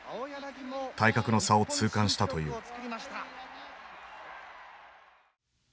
体格の差を痛感したという。